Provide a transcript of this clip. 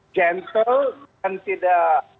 gentel dan tidak